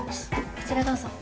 こちらどうぞ。